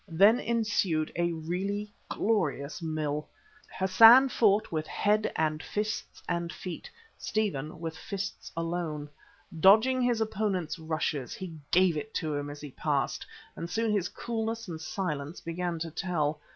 Then ensued a really glorious mill. Hassan fought with head and fists and feet, Stephen with fists alone. Dodging his opponent's rushes, he gave it to him as he passed, and soon his coolness and silence began to tell.